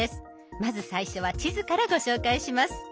まず最初は地図からご紹介します。